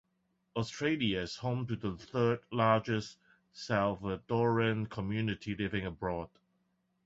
Australia is home to the third largest Salvadoran community living abroad.